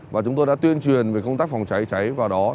và chúng tôi đã tuyên truyền về công tác phòng cháy cháy vào đó